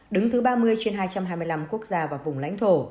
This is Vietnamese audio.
đứng thứ ba mươi trên hai trăm hai mươi năm quốc gia và vùng lãnh thổ